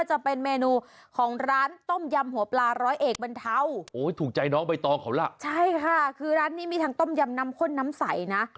ใช่ค่ะคือร้านนี้มีทางต้มยำน้ำข้นน้ำใสนะ